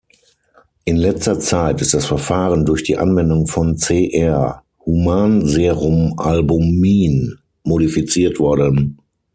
In letzter Zeit ist das Verfahren durch die Anwendung von Cr-Human-Serumalbumin modifiziert worden.